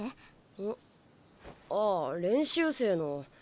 えああ練習生の。